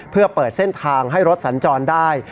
เพื่อเปิดเส้นทางให้รถสัญจรได้